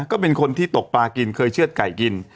ก็เป็นคนที่ตกปลากินเคยเชื่อดไก่กิน